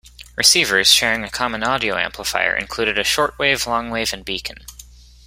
Receivers, sharing a common audio amplifier, included a short wave, long wave and beacon.